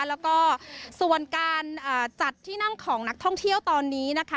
แล้วก็ส่วนการจัดที่นั่งของนักท่องเที่ยวตอนนี้นะคะ